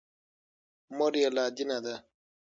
مور یې لادینه ده.